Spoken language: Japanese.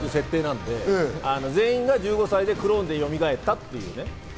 みんな１５歳という設定なので、全員が１５歳でクローンでよみがえったというね。